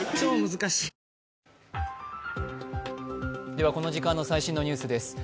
では、この時間の最新のニュースです。